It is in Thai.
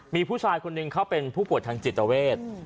มีผู้ชายคนหนึ่งเขาเป็นผู้ป่วยทางจิตเวท